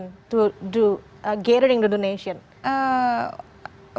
untuk melakukan untuk mengumpulkan donasi